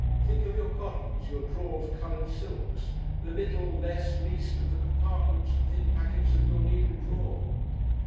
Think of your cottons, your drawer of coloured silks, the little, less, least of the compartments and thin packets of your needle drawer!